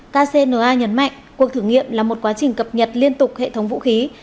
kcna nhấn mạnh cuộc thử nghiệm là một quá trình cập nhật liên tục hệ thống vũ khí